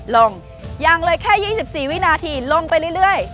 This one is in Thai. ลงยังเลยแค่ยี่สิบสี่วินาทีลงไปเรื่อย